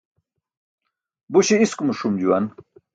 Buśe iskumuc ṣum juwan.